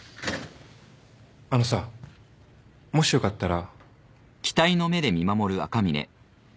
あのさもしよかったら。